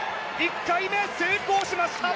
１回目成功しました。